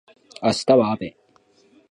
明日は雨